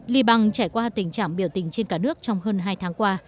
libang trải qua tình trạng biểu tình trên cả nước trong hơn hai tháng qua